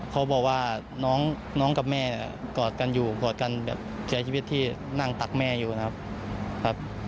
เขาบอกว่าน้องกับแม่กอดกันอยู่กอดกันแบบเสียชีวิตที่นั่งตักแม่อยู่นะครับ